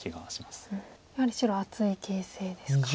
やはり白厚い形勢ですか。